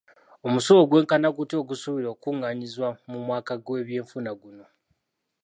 Omusolo gwenkana gutya ogusuubirwa okukungaanyizibwa mu mwaka gw'ebyenfuna guno?